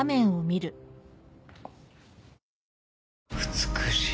美しい。